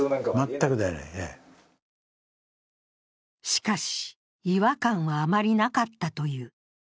しかし、違和感はあまりなかったという。